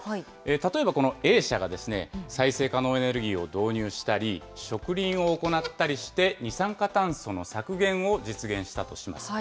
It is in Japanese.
例えばこのＡ社が再生可能エネルギーを導入したり、植林を行ったりして、二酸化炭素の削減を実現したとします。